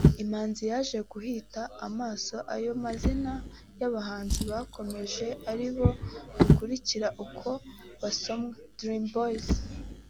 Imanzi yaje guhita asoma ayo mazina y’abahanzi bakomeje ari bo-dukurikije uko basomwe-Dream Boyz